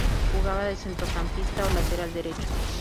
Jugaba de centrocampista o lateral derecho.